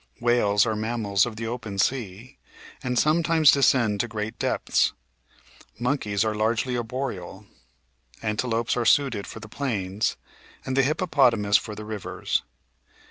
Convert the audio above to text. Whales are mammals of the open sea, and sometimes descend to great depths ; monkeys are largely arboreal ; antelopes are suited for the plains and the hippopotamus for the rivers.